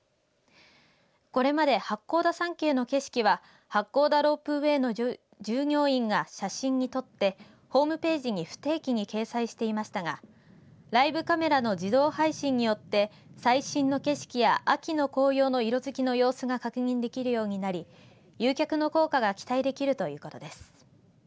これまで八甲田山系の景色は八甲田ロープウェーの従業員が写真にとってホームページで不定期に掲載していましたがライブカメラの自動配信によって最新の景色や秋の紅葉の色づきの様子が確認できるようになり誘客の効果が期待できるということです。